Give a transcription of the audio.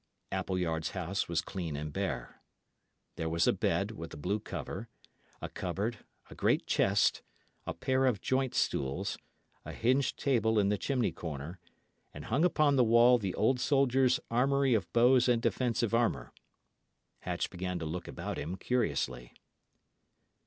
Appleyard's house was clean and bare. There was a bed, with a blue cover, a cupboard, a great chest, a pair of joint stools, a hinged table in the chimney corner, and hung upon the wall the old soldier's armoury of bows and defensive armour. Hatch began to look about him curiously.